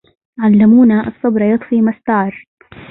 علمونا الصبر يطفي ما استعر